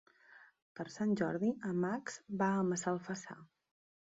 Per Sant Jordi en Max va a Massalfassar.